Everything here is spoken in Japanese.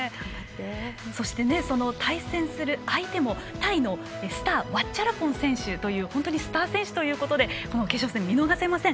そして、その対戦する相手もタイのスターワッチャラポン選手という本当にスター選手ということで決勝戦、見逃せません。